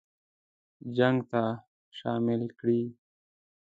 جنګ ته شامل کړي.